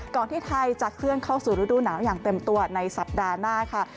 ที่ไทยจะเคลื่อนเข้าสู่ฤดูหนาวอย่างเต็มตัวในสัปดาห์หน้าค่ะ